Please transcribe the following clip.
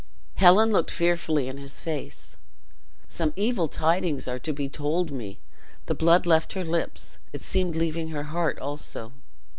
Helen looked fearfully in his face. "Some evil tidings are to be told me." The blood left her lips; it seemed leaving her heart also.